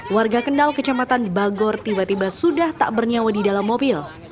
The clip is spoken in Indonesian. warga kendal kecamatan bagor tiba tiba sudah tak bernyawa di dalam mobil